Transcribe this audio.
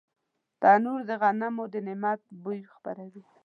تنور د غنمو د نعمت بوی خپروي